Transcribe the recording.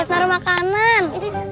luas naruh makanan